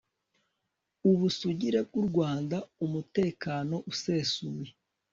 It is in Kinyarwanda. ubusugire bw'u rwanda, umutekano usesesuye